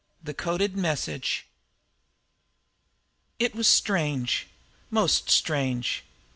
THE CODE MESSAGE It was strange! Most strange!